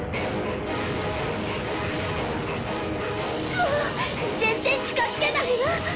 もう全然近づけないわ！